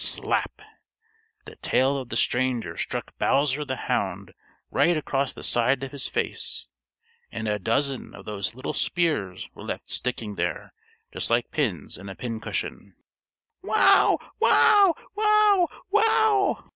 Slap! The tail of the stranger struck Bowser the Hound right across the side of his face, and a dozen of those little spears were left sticking there just like pins in a pin cushion. "Wow! wow! wow! wow!"